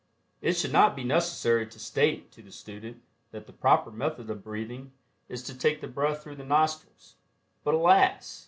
It should not be necessary to state to the student that the proper method of breathing is to take the breath through the nostrils, but alas!